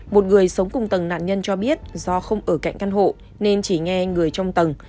một người sống cùng tầng nạn nhân cho biết do không ở cạnh căn hộ nên chỉ nghe người trong tầng